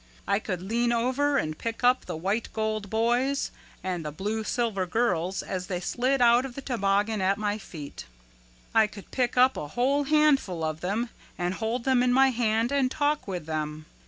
I could lean over and pick up the White Gold Boys and the Blue Silver Girls as they slid out of the toboggan at my feet. I could pick up a whole handful of them and hold them in my hand and talk with them.